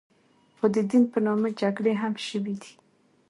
خو د دین په نامه جګړې هم شوې دي.